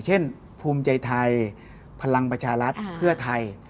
เช่นภูมิใจไทยพลังประชารัฐเพื่อไทย